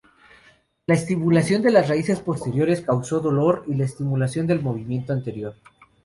La estimulación de las raíces posteriores causó dolor y la estimulación del movimiento anterior.